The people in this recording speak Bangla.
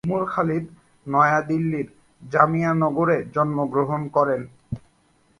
উমর খালিদ নয়া দিল্লির জামিয়া নগরে জন্মগ্রহণ করেন।